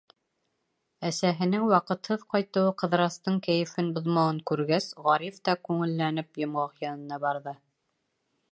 Әсәһенең ваҡытһыҙ ҡайтыуы Ҡыҙырастың кәйефен боҙмауын күргәс, Ғариф та, күңелләнеп, Йомғаҡ янына барҙы.